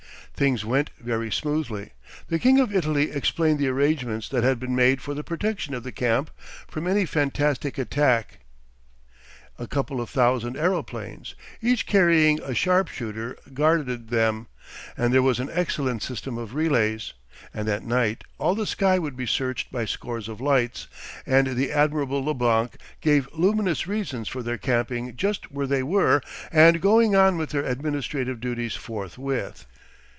Things went very smoothly; the King of Italy explained the arrangements that had been made for the protection of the camp from any fantastic attack; a couple of thousand of aeroplanes, each carrying a sharpshooter, guarded them, and there was an excellent system of relays, and at night all the sky would be searched by scores of lights, and the admirable Leblanc gave luminous reasons for their camping just where they were and going on with their administrative duties forthwith.